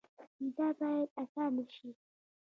ویزه باید اسانه شي